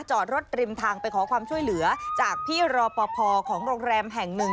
จอดรถริมทางไปขอความช่วยเหลือจากพี่รอปภของโรงแรมแห่งหนึ่ง